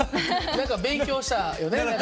何か勉強したよね。